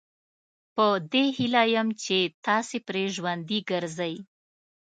په دې هیله یم چې تاسي پرې ژوندي ګرځئ.